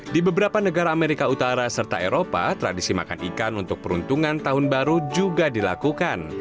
di beberapa negara amerika utara serta eropa tradisi makan ikan untuk peruntungan tahun baru juga dilakukan